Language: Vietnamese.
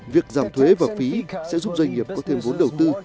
việc giảm thuế và phí sẽ giúp doanh nghiệp có thêm vốn đầu tư